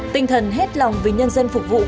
tinh thần hết lòng vì nhân dân phục vụ